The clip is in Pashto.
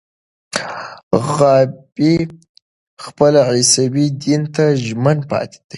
غابي خپل عیسوي دین ته ژمن پاتې دی.